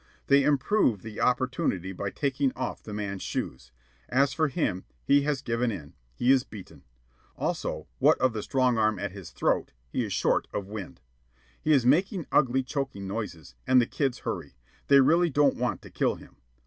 They improve the opportunity by taking off the man's shoes. As for him, he has given in. He is beaten. Also, what of the strong arm at his throat, he is short of wind. He is making ugly choking noises, and the kids hurry. They really don't want to kill him.